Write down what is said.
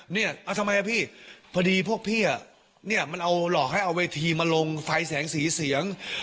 เนี่ยเอาทำไมอ่ะพี่พอดีพวกพี่เนี่ยมันเอาหลอกให้เอาเวทีมาลงไฟแสงสีเสียง